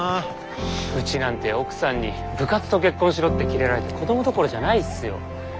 うちなんて奥さんに部活と結婚しろ！ってキレられて子どもどころじゃないっすよ。